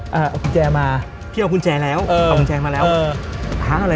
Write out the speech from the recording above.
เอากุญแจมาพี่เอากุญแจแล้วเออเอากุญแจมาแล้วเออเท้าอะไร